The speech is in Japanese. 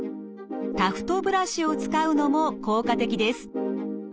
タフトブラシを使うのも効果的です。